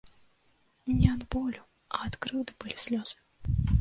Не ад болю, а ад крыўды былі слёзы.